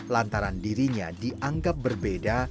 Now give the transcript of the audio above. lantaran dirinya dianggap berbeda